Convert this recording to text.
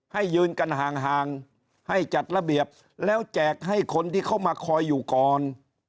ยืนกันห่างให้จัดระเบียบแล้วแจกให้คนที่เขามาคอยอยู่ก่อน